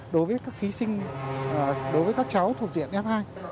đối với các thí sinh đối với các cháu thuộc diện f hai